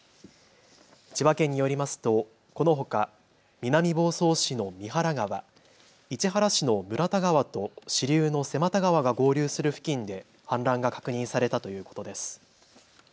千葉県によりますとこのほか南房総市の三原川、市原市の村田川と支流の瀬又川が合流する付近で氾濫が確認されたということです。